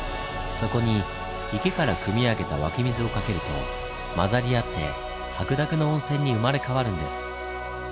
そこに池からくみ上げた湧き水をかけると混ざり合って白濁の温泉に生まれ変わるんです。